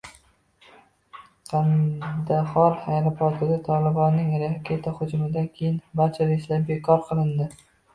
Qandahor aeroportida “Tolibon”ning raketa hujumidan keyin barcha reyslar bekor qilindi